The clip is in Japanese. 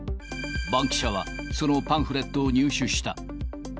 バンキシャは、そのパンフレットを入手した。